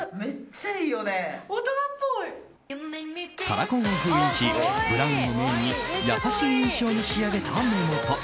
カラコンを封印しブラウンをメインに優しい印象に仕上げた目元。